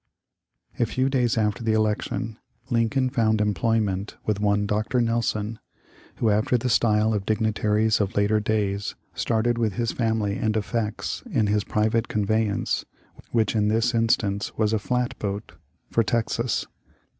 A few days after the election Lincoln found em ployment with one Dr. Nelson, who after the style of dignitaries of later days started with his family and effects in his " private " conveyance — which in this instance was a flat boat — for Texas.